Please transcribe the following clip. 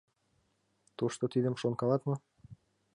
Тушто тидым шонкалат мо?